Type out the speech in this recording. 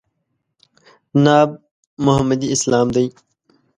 ناب محمدي اسلام دی.